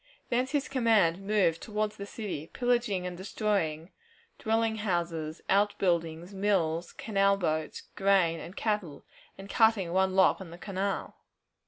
Thence his command moved toward the city, pillaging and destroying dwelling houses, out buildings, mills, canal boats, grain, and cattle, and cutting one lock on the canal.